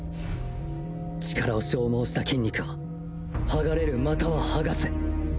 力を消耗した筋肉は剥がれる又は剥がす。